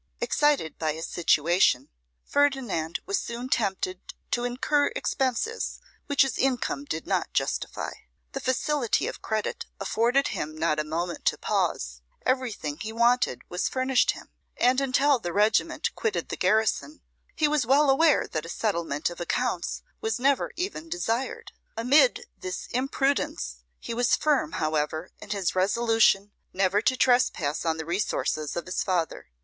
Excited by his situation, Ferdinand was soon tempted to incur expenses which his income did not justify. The facility of credit afforded him not a moment to pause; everything he wanted was furnished him; and until the regiment quitted the garrison he was well aware that a settlement of accounts was never even desired. Amid this imprudence he was firm, however, in his resolution never to trespass on the resources of his father.